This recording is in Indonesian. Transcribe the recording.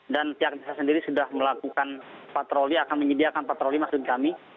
dan pihak desa sendiri sudah melakukan patroli akan menyediakan patroli masuk kami